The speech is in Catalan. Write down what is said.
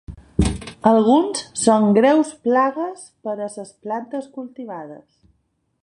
Alguns són greus plagues per a les plantes cultivades.